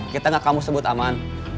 kita gak kamu sebut aman